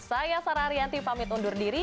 saya sarah ariyanti pamit undur diri